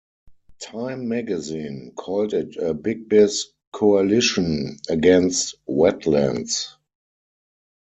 "Time Magazine" called it "a big-biz coalition against wetlands".